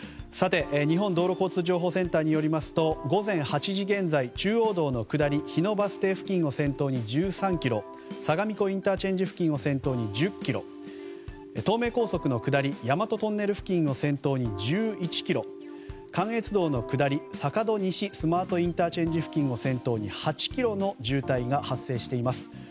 日本道路交通情報センターによりますと午前８時現在、中央道の下り日野バス停付近を先頭に１３ｋｍ相模湖ＩＣ付近を先頭に１０ｋｍ東名高速の下り大和トンネル付近を先頭に１１ｋｍ関越道の下り坂戸西スマートＩＣ付近を先頭に８ｋｍの渋滞が発生しています。